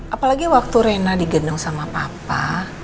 apalagi waktu rena digendong sama papa